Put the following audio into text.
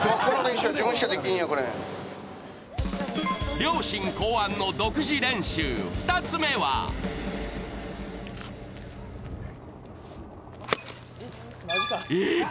両親考案の独自練習、２つ目はえっ！？